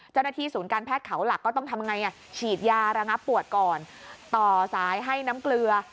เจ้าหน้าที่ศูนย์การแพทย์เขาหลักก็ต้องทำไงฉีดยาระงับปวดก่อนต่อสายให้น้ำเกลือ